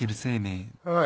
おい。